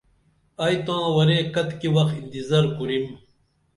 ائی تاں ورے کتی وخ انتظاری کُرِم